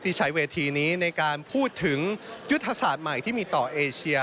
ใช้เวทีนี้ในการพูดถึงยุทธศาสตร์ใหม่ที่มีต่อเอเชีย